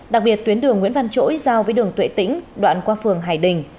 đặc biệt tuyến đường nguyễn văn chỗi giao với đường tuệ tĩnh đoạn qua phường hải đình